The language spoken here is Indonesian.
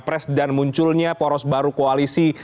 pres dan munculnya poros baru koalisi